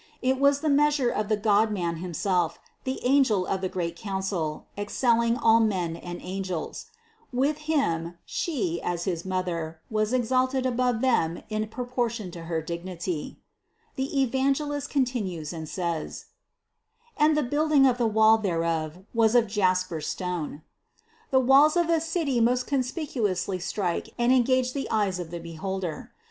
It was the measure of the Godman himself, the Angel of the great council, excelling all men and angels. With Him She, as his Mother, was exalted above them in propor tion to her dignity. The Evangelist continues and says : 282. "And the building of the wall thereof was of jasper stone." The walls of a city most conspicuously strike and engage the eyes of the beholder.